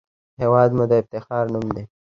هېواد مو د افتخار نوم دی